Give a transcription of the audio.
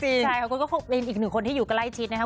ใช่ค่ะคุณก็คงเป็นอีกหนึ่งคนที่อยู่ใกล้ชิดนะครับ